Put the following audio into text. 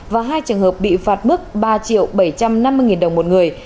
và hai trường hợp bị phạt mức ba triệu bảy trăm năm mươi đồng một người